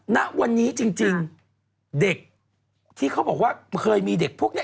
ณวันนี้จริงเด็กที่เขาบอกว่าเคยมีเด็กพวกนี้